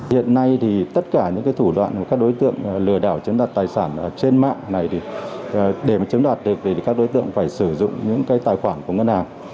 hiện nay thì tất cả những cái thủ đoạn của các đối tượng lừa đảo chiếm đặt tài sản trên mạng này để mà chiếm đoạt được thì các đối tượng phải sử dụng những cái tài khoản của ngân hàng